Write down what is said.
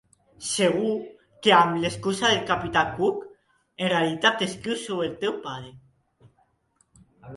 Segur que amb l'excusa del capità Cook en realitat escrius sobre el teu pare.